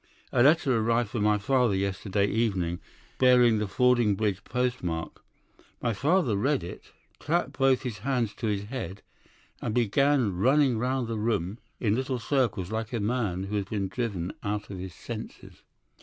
A letter arrived for my father yesterday evening, bearing the Fordingbridge postmark. My father read it, clapped both his hands to his head, and began running round the room in little circles like a man who has been driven out of his senses.